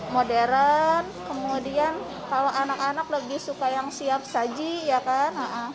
modern kemudian kalau anak anak lebih suka yang siap saji ya kan